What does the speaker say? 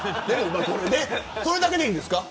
それだけでいいんですか。